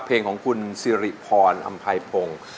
เพลงของคุณสิริพรอำไพพงศ์